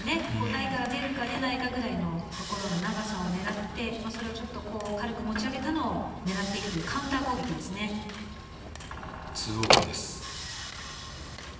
台から出るか出ないかぐらいの所の長さを狙ってそれを軽く持ち上げたのを狙っていくという２オールです。